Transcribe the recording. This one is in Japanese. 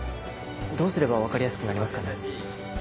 どうすれば分かりやすくなりますかね？